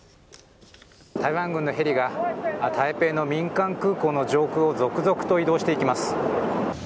台湾軍のヘリが台北の民間空港の上空を続々と移動していきます。